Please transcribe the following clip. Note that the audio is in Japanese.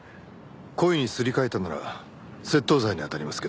故意にすり替えたなら窃盗罪に当たりますけど。